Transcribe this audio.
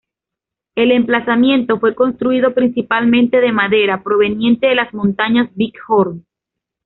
El emplazamiento fue construido principalmente de madera proveniente de las montañas Big Horn.